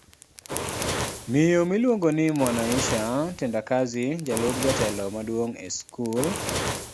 Miyo miluongo ni Mwanaisha Tendakazi jalup jatelo maduong' e skul